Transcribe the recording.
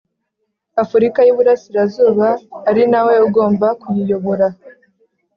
Afurika y Iburasirazuba ari na we ugomba kuyiyobora